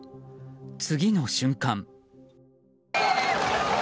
次の瞬間。